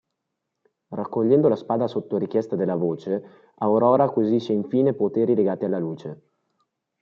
Raccogliendo la spada sotto richiesta della voce, Aurora acquisisce infine poteri legati alla luce.